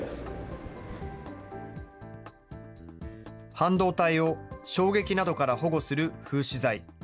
半導体を衝撃などから保護する封止材。